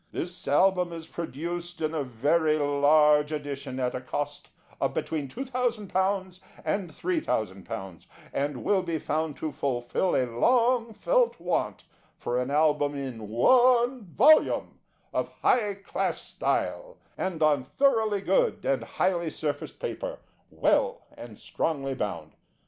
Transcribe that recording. This Album is produced in a very large edition at a cost of between £2,000 and £3,000, and will be found to fulfil a long felt want for an Album in One Volume, of high class style, and on thoroughly good and highly surfaced paper, well and strongly bound.